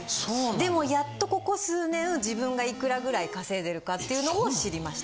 でもやっとここ数年自分がいくらぐらい稼いでるかっていうのを知りました。